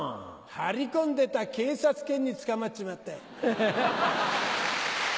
張り込んでた警察犬に捕まっちまった。